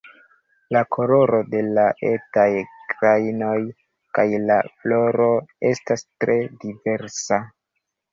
La koloro de la etaj grajnoj kaj la floro estas tre diversa.